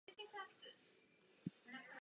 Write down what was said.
Ze všech zatčených nakonec obvinila deset osob.